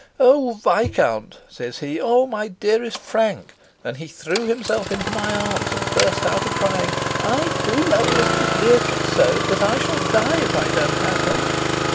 "'Oh, viscount,' says he 'oh, my dearest Frank!' and he threw himself into my arms and burst out a crying. 'I do love Mistress Beatrix so, that I shall die if I don't have her.'